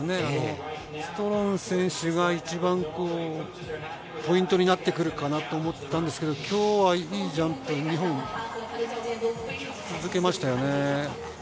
ストロン選手が一番ポイントになってくるかなと思ったんですけど、今日はいいジャンプを２本、続けましたよね。